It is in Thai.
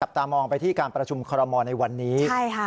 กับตามองไปที่การประชุมคอรมณ์มองในวันนี้